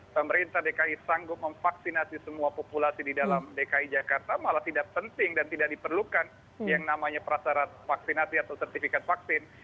pemerintah dki sanggup memvaksinasi semua populasi di dalam dki jakarta malah tidak penting dan tidak diperlukan yang namanya prasarat vaksinasi atau sertifikat vaksin